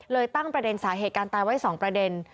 ตั้งประเด็นสาเหตุการตายไว้๒ประเด็น